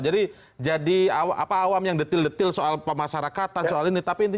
jadi jadi awam yang detil detil soal pemasarakatan soal ini